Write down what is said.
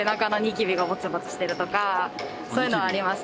そういうのはあります。